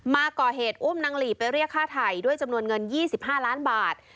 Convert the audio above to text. มาก่อเหตุอุ้มนางหลีไปเรียกค่าไถ่ด้วยจำนวนเงิน๒๕ล้านบาท